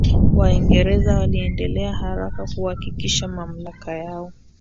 Waingereza waliendelea haraka kuhakikisha mamlaka yao